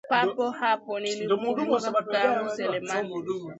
Papo hapo nilimkumbuka kaka yangu Selemani